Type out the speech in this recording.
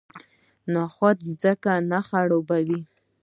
نخود ځمکه نه خرابوي.